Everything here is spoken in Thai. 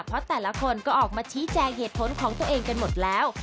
เพราะแต่ละคนก็ออกมาชี้แจงเหตุผลของตัวเองกันหมดแล้ว